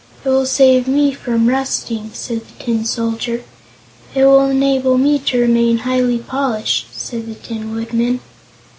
"It will save me from rusting," said the Tin Soldier. "It will enable me to remain highly polished," said the Tin Woodman.